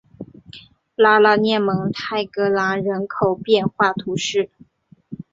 拉拉涅蒙泰格兰人口变化图示